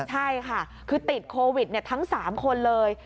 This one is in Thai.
ใช่ค่ะคือติดโควิดทั้ง๓คนเลย